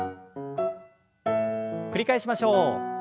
繰り返しましょう。